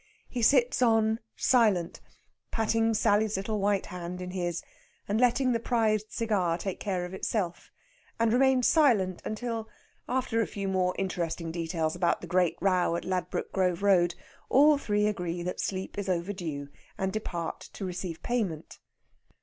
He sits on, silent, patting Sally's little white hand in his, and letting the prized cigar take care of itself, and remains silent until, after a few more interesting details about the "great row" at Ladbroke Grove Road, all three agree that sleep is overdue, and depart to receive payment.